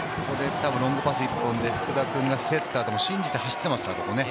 ロングパス１本で福田君が競ったところ、信じて走ってますからね。